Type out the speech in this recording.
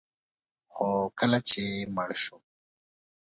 خو کله چې مړ شو